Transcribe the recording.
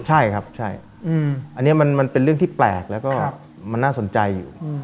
ใช่ครับใช่อันนี้มันเป็นเรื่องที่แปลกแล้วก็มันน่าสนใจอยู่